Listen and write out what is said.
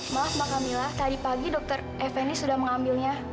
maaf mbak kamila tadi pagi dokter fnd sudah mengambilnya